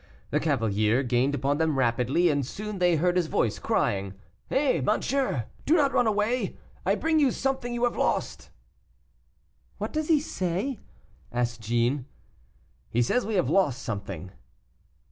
The cavalier gained upon them rapidly, and soon they heard his voice crying, "Eh, monsieur, do not run away; I bring you something you have lost." "What does he say?" asked Jeanne. "He says we have lost something."